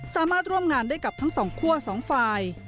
สามารถร่วมงานได้กับทั้งสองคั่วสองฝ่าย